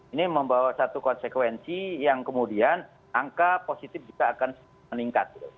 ini membawa satu konsekuensi yang kemudian angka positif juga akan meningkat